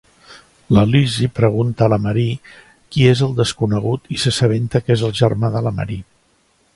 La Lizzie pregunta a la Marie qui és el desconegut i s'assabenta que és el germà de la Marie.